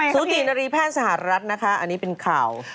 สุตินารีแพทย์สหรัฐนะคะอันนี้เป็นข่าว